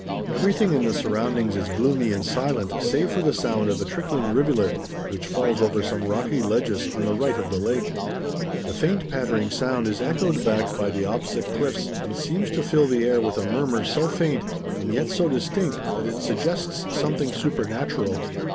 Everything in the surroundings is gloomy and silent save for the sound of a trickling rivulet which falls over some rocky ledges on the right of the lake. The faint pattering sound is echoed back by the opposite cliffs and seems to fill the air with a murmur so faint, and yet so distinct, that it suggests something supernatural.